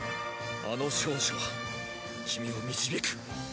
あの少女は君を導く。